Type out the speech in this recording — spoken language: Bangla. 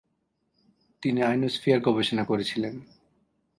তিনি আয়নোস্ফিয়ার গবেষণা করেছিলেন।